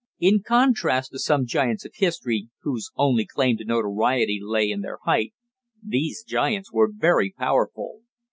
In contrast to some giants of history, whose only claim to notoriety lay in their height, these giants were very powerful.